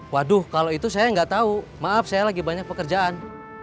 waduh kalau itu saya nggak tahu maaf saya lagi banyak pekerjaan